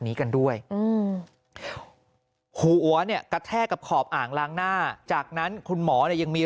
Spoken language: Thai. นี้กันด้วยหัวกระแทกกับขอบอ่างล้างหน้าจากนั้นคุณหมอยังมี